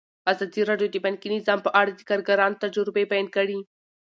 ازادي راډیو د بانکي نظام په اړه د کارګرانو تجربې بیان کړي.